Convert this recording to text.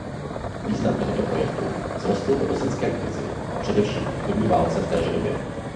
Význam tohoto projektu vzrostl po bosenské krizi a především obchodní válce v téže době.